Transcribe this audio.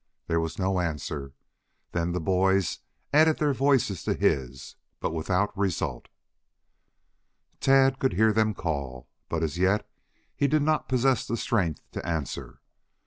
There was no answer. Then the boys added their voices to his, but without result. Tad could hear them call, but as yet he did not possess the strength to answer.